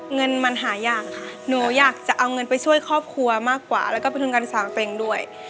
เงินมันหายากค่ะหนูอยากจะเอาเงินไปช่วยครอบครัวมากกว่าแล้วก็เป็นทุนการศึกษาของตัวเองด้วย